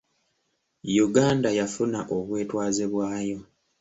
Uganda yafuna obwetwaze bwayo.